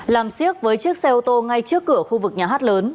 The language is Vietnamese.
làm siếc với chiếc xe ô tô ngay trước cửa khu vực nhà hát lớn